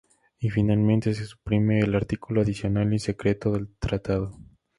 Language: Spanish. Y finalmente, se suprime el artículo adicional y secreto del Tratado.